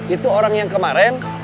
itu orang yang kemaren